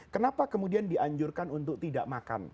kenapa kemudian dianjurkan untuk tidak makan